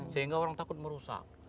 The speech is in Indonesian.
sehingga orang takut merusak